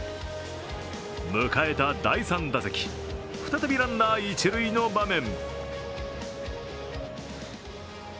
迎えた第３打席、再びランナー一塁の場面。